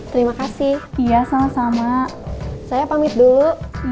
tidak ada tanpa nyaris jangan mengambil cut i my bill gebato ham vai